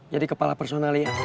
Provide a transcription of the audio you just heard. jadi kepala personal ya